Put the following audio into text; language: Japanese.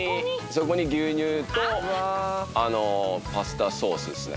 そこに牛乳とあのパスタソースですね